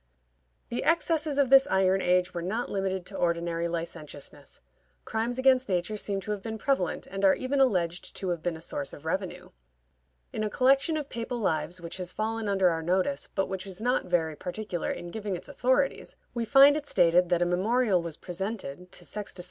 The excesses of this iron age were not limited to ordinary licentiousness; crimes against nature seem to have been prevalent, and are even alleged to have been a source of revenue. In a collection of papal lives which has fallen under our notice, but which is not very particular in giving its authorities, we find it stated that a memorial was presented to Sextus IV.